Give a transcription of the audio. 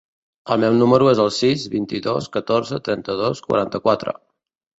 El meu número es el sis, vint-i-dos, catorze, trenta-dos, quaranta-quatre.